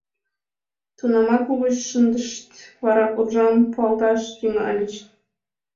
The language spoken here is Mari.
Тунамак угыч шындышт, вара уржам пуалташ тӱҥальыч.